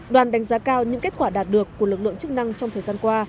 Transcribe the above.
đoàn đánh giá cao những kết quả đạt được của lực lượng chức năng trong thời gian qua